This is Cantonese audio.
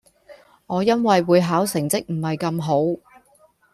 我因為會考成績唔係咁好